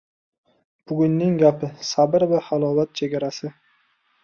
Bugunning gapi: Sabr va halovat chegarasi